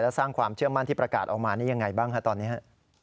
และสร้างความเชื่อมั่นที่ประกาศออกมานี่ยังไงบ้างฮะตอนนี้